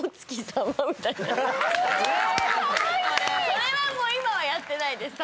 それはもう今はやってないです